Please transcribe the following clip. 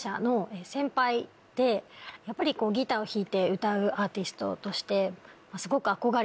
やっぱりギターを弾いて歌うアーティストとしてすごく。